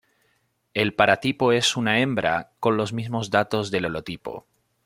El paratipo es una hembra con los mismos datos del holotipo.